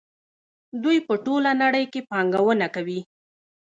دوی په ټوله نړۍ کې پانګونه کوي.